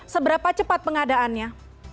seberapa cepat pengadaannya